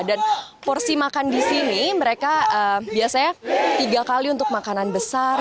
dan porsi makan di sini mereka biasanya tiga kali untuk makanan besar